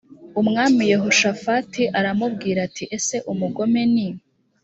umwami yehoshafati aramubwira ati ese umugome ni